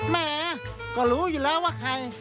แหมก็รู้อยู่แล้วว่าใคร